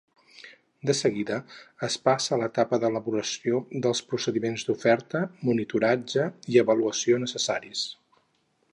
De seguida, es passa a l'etapa d'elaboració dels procediments d'oferta, monitoratge i avaluació necessaris.